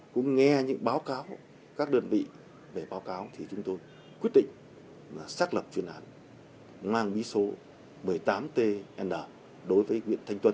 cũng nghe những báo cáo các đơn vị về báo cáo thì chúng tôi quyết định là xác lập chuyên án mang bí số một mươi tám tn đối với nguyễn thanh tuân